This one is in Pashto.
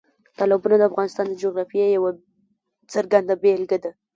تالابونه د افغانستان د جغرافیې یوه څرګنده بېلګه ده.